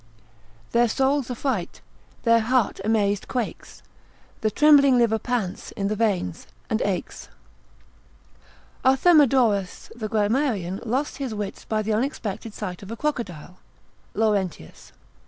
Their soul's affright, their heart amazed quakes, The trembling liver pants i' th' veins, and aches. Arthemedorus the grammarian lost his wits by the unexpected sight of a crocodile, Laurentius 7.